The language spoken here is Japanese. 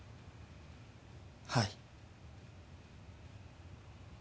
はい。